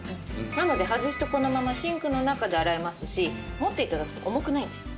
なので外してこのままシンクの中で洗えますし持って頂くと重くないです。